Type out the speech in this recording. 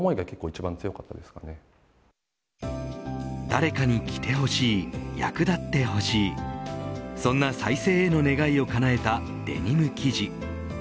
誰かに着てほしい役立ってほしいそんな再生への願いをかなえたデニム生地。